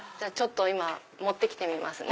今持って来てみますね。